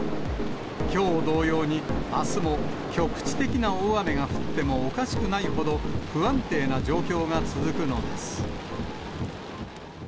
きょう同様に、あすも局地的な大雨が降ってもおかしくないほど、不安定な状況が続くのです。